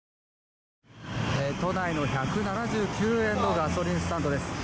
都内の１７９円のガソリンスタンドです。